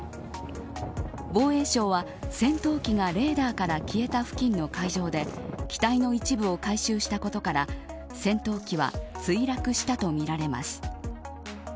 防衛省は戦闘機がレーダーから消えた付近の海上で機体の一部を回収したことから戦闘機は墜落したとみられます。